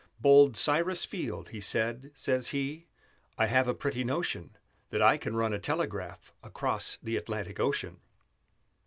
Bold Cyrus Field he said, says he, "I have a pretty notion That I can run a telegraph Across the Atlantic Ocean."